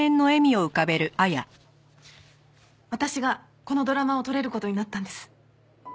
私がこのドラマを撮れる事になったんです。